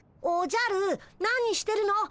おじゃる何してるの？